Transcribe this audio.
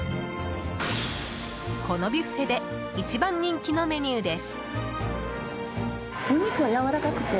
このビュッフェで一番人気のメニューです。